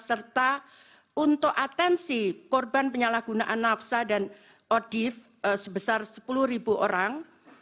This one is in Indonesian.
serta untuk atensi korban penyalahgunaan nafsa dan odif sebesar sepuluh ribu orang